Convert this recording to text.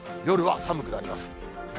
夜は寒くなります。